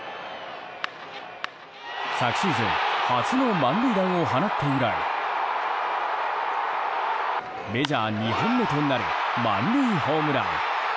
昨シーズン初の満塁弾を放って以来メジャー２本目となる満塁ホームラン。